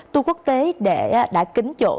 tour quốc tế đã kính chỗ